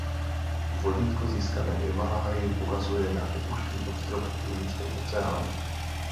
Vodítko získané v Himálaji ukazuje na opuštěný ostrov v Indickém oceánu.